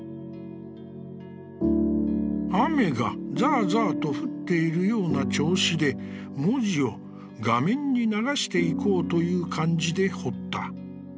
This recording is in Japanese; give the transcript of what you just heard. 「雨がざあざあと降っているような調子で、文字を画面に流していこうという感じで彫った。